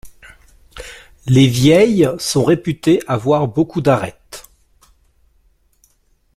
Les vieilles sont réputées avoir beaucoup d'arêtes.